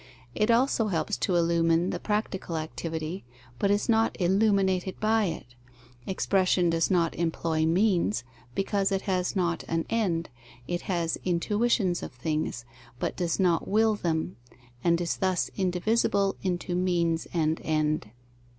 It also helps to illumine the practical activity, but is not illuminated by it. Expression does not employ means, because it has not an end; it has intuitions of things, but does not will them, and is thus indivisible into means and end.